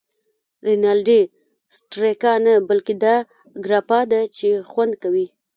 رینالډي: سټریګا نه، بلکې دا ګراپا ده چې خوند کوی.